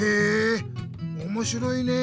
おもしろいねえ。